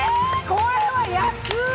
これは安い！